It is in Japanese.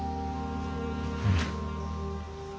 うん。